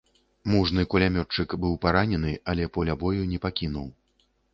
Мужны кулямётчык быў паранены, але поля бою не пакінуў.